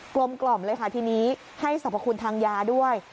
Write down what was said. ลมกล่อมเลยค่ะทีนี้ให้สรรพคุณทางยาด้วย